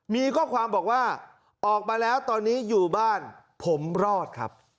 มีข้อความบอกว่าออกมาแล้วตอนนี้อยู่บ้านผมรอดครับ